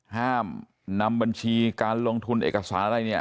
ห้ามนำบัญชีการลงทุนเอกสารอะไรเนี่ย